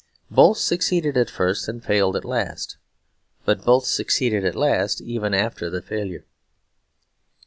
Both succeeded at first and failed at last. But both succeeded at last, even after the failure.